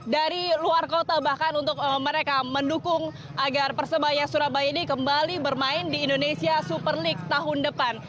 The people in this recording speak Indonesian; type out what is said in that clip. dari luar kota bahkan untuk mereka mendukung agar persebaya surabaya ini kembali bermain di indonesia super league tahun depan